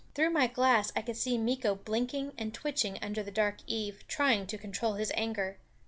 Through my glass I could see Meeko blinking and twitching under the dark eave, trying to control his anger.